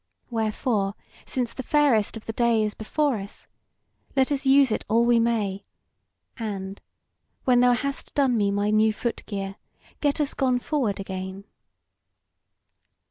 Wherefore, since the fairest of the day is before us, let us use it all we may, and, when thou hast done me my new foot gear, get us gone forward again."